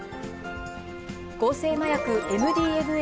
合成麻薬ＭＤＭＡ